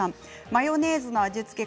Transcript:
マヨネーズの味付け